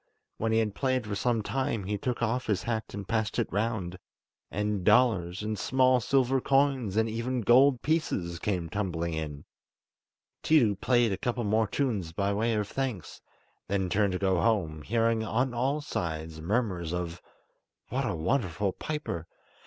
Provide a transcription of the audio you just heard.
When he had played for some time he took off his hat and passed it round, and dollars, and small silver coins, and even gold pieces, came tumbling in. Tiidu played a couple more tunes by way of thanks, then turned to go home, hearing on all sides murmurs of "What a wonderful piper!